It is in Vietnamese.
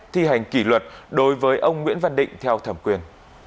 thi hành kỷ luật đối với ông nguyễn văn định theo thẩm quyền